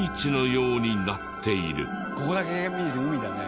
ここだけ見ると海だね。